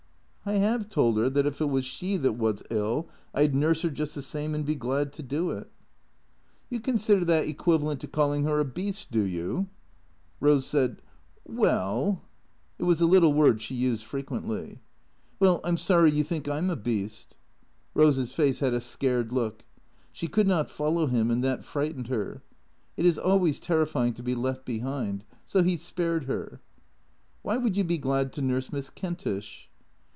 " I 'ave told her that if it was she that was ill I 'd nurse her just the same and be glad to do it." 3^ THECKEATORS " You consider that equivalent to calling her a beast, do you ?" Rose said, " Well " It was a little word she used fre quently. " Well, I 'm sorry you think I 'm a beast." Rose's face had a scared look. She could not follow him, and that frightened her. It is always terrifying to be left behind. So he spared her. " Why would you be glad to nurse Miss Kentish